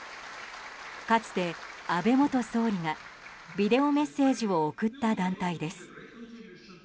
かつて、安倍元総理がビデオメッセージを送った団体です。